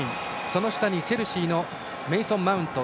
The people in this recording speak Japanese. その下にチェルシーのメイソン・マウント。